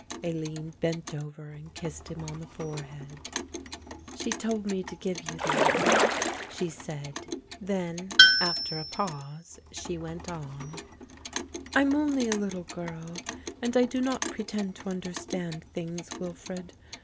Aline bent over and kissed him on the forehead. "She told me to give you that," she said; then, after a pause, she went on; "I am only a little girl and I do not pretend to understand things, Wilfred.